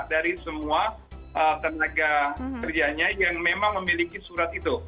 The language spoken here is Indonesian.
dari semua tenaga kerjanya yang memang memiliki surat itu